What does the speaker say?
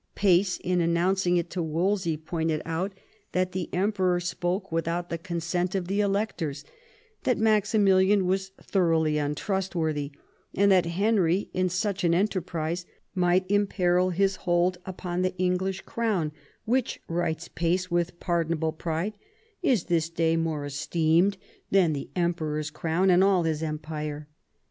Pace, in announcing it to Wolsey, pointed out that the Emperor fspokB without the consent of the Electors, that Maxi milian was thoroughly untrastworthy, and that Henry in such an enterprise might imperil his hold upon the English Crown, "which," writes Pace with pardonable pride, " is this day more esteemed than the Emperor's crown and all his empire."